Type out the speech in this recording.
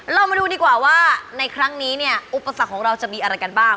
เรามาดูดีกว่าว่าในครั้งนี้เนี่ยอุปสรรคของเราจะมีอะไรกันบ้าง